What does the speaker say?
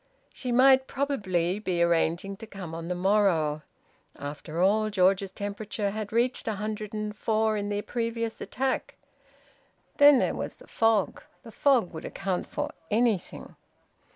She might probably be arranging to come on the morrow. After all, George's temperature had reached 104 in the previous attack. Then there was the fog. The fog would account for anything.